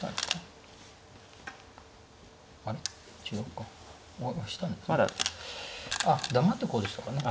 あっ黙ってこうでしたかね。